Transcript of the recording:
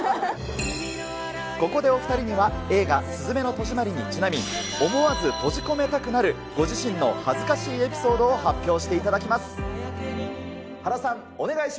ここでお２人には、映画、すずめの戸締まりにちなみ、思わず閉じ込めたくなるご自身の恥ずかしいエピソードを発表していただきます。